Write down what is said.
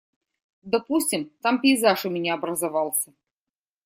Допустим, там пейзаж у меня образовался.